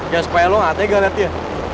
gak supaya lo gak hati gak liat dia